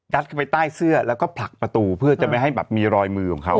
เข้าไปใต้เสื้อแล้วก็ผลักประตูเพื่อจะไม่ให้แบบมีรอยมือของเขา